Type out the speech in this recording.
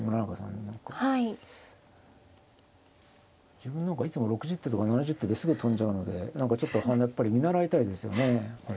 自分なんかいつも６０手とか７０手ですぐ飛んじゃうので何かちょっとやっぱり見習いたいですよね。